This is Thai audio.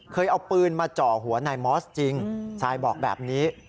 เคยเอาปืนมาจ่อหัวนายมอสจริงทรายบอกแบบนี้